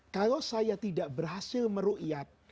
kalau saya tidak berhasil meru'iyat